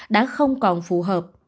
đã không còn phù hợp